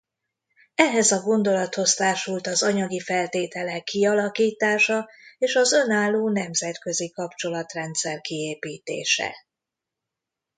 Ehhez a gondolathoz társult az anyagi feltételek kialakítása és az önálló nemzetközi kapcsolatrendszer kiépítése.